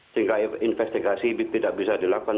sehingga investigasi tidak bisa dilakukan